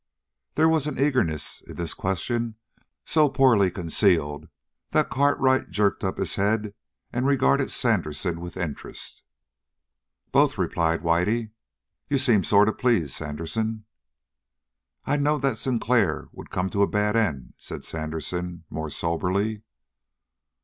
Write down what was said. There was an eagerness in this question so poorly concealed that Cartwright jerked up his head and regarded Sandersen with interest. "Both," replied Whitey. "You seem sort of pleased, Sandersen?" "I knowed that Sinclair would come to a bad end," said Sandersen more soberly.